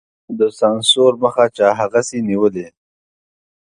د سانسور مخه چا هغسې نېولې.